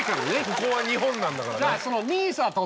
ここは日本なんだからね。